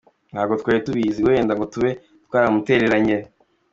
ntabwo twari tubizi wenda ngo tube twaramutereranye”.